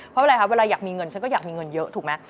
เพราะอะไรคะเวลาอยากมีเงินฉันก็อยากมีเงินเยอะถูกไหม